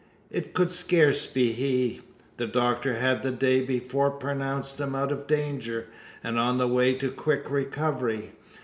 It could scarce be he. The doctor had the day before pronounced him out of danger, and on the way to quick recovery.